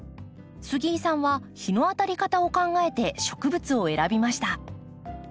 杉井さんは日の当たり方を考えて植物を選びました。